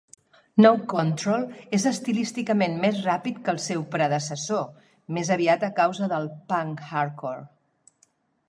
"No Control" és estilísticament més ràpid que el seu predecessor, més aviat a causa del punk hardcore.